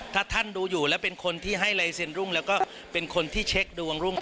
ถ้าท่านดูอยู่แล้วเป็นคนที่ให้ลายเซ็นรุ่งแล้วก็เป็นคนที่เช็คดวงรุ่ง